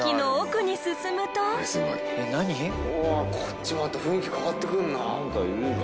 こっちもまた雰囲気変わってくるな。